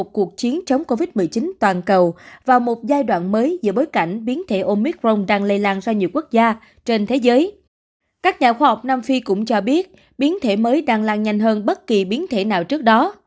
các nhà khoa học nam phi cũng cho biết biến thể mới đang lan nhanh hơn bất kỳ biến thể nào trước đó